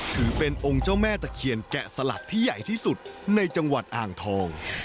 ถือเป็นองค์เจ้าแม่ตะเคียนแกะสลักที่ใหญ่ที่สุดในจังหวัดอ่างทอง